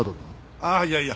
ああいやいや。